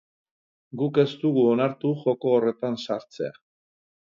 Guk ez du onartu joko horretan sartzea.